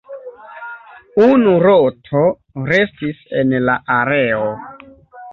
Unu roto restis en la areo.